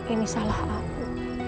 ini salah aku